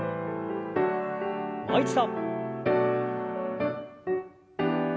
もう一度。